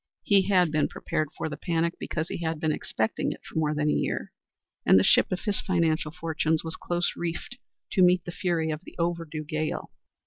He had been prepared for the panic because he had been expecting it for more than a year, and the ship of his financial fortunes was close reefed to meet the fury of the overdue gale.